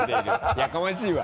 やかましいわ！